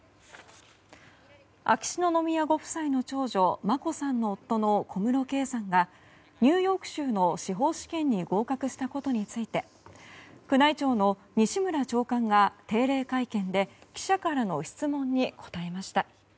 秋篠宮ご夫妻の長女眞子さんの夫の小室圭さんがニューヨーク州の司法試験に合格したことについて宮内庁の西村長官が定例会見で記者からの質問に答えました。